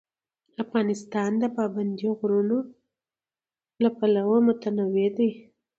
افغانستان د پابندی غرونه له پلوه متنوع دی.